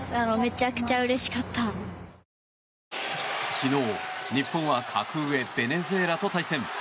昨日、日本は格上ベネズエラと対戦。